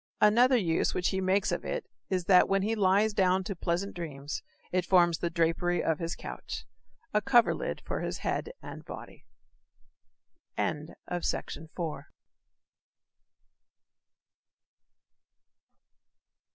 Another use which he makes of it is that when he "lies down to pleasant dreams" it forms "the drapery of his couch" a coverlid for his head and body. [Illustration: FROM COL. CHI. ACAD.